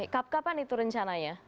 kap kapan itu rencananya